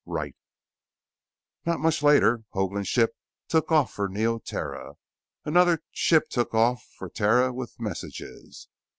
"Right." Not much later, Hoagland's ship took off for Neoterra. Another ship took off for Terra with messages.